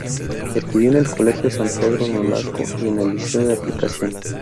Estudió en el Colegio San Pedro Nolasco y en el Liceo de Aplicación.